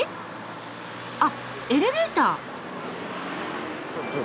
あっエレベーター。